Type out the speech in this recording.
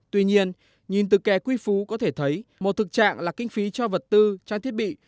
tuy nhiên nhìn từ kè quy phú có thể thấy một thực trạng là kinh phí cho vật tư trang thiết bị